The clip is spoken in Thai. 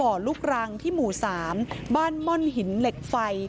บ่อลูกรังหมู่สามบ้านมอนหินเหล็กไฟ